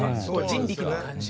人力の感じ